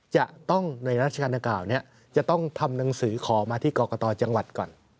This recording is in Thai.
จะต้องในราชการดังกล่าวนี้จะต้องทำหนังสือขอมาที่กรกตจังหวัดก่อน